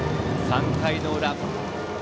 ３回の裏。